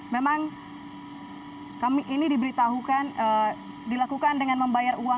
memang kami ini diberitahukan dilakukan dengan membayar uang